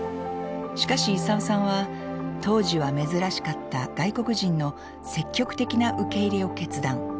しかし功さんは当時は珍しかった外国人の積極的な受け入れを決断。